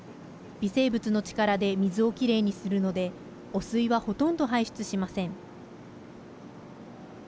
微生物の力で水をきれいにするので汚水はほとんど排出しません。